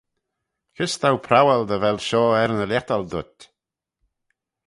Kys t'ou prowal dy vel shoh er ny lhiettal dhyt?